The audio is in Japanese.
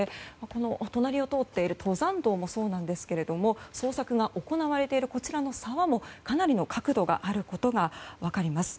この隣を通っている登山道もそうですけれど捜索が行われているこちらの沢もかなりの角度があることが分かります。